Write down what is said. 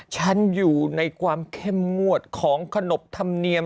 ฉันอยู่ในความเข้มงวดของขนบธรรมเนียม